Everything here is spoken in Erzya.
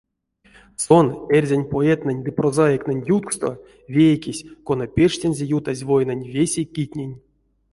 Сон — эрзянь поэтнэнь ды прозаиктнень ютксто вейкесь, кона печтинзе ютазь войнань весе китнень.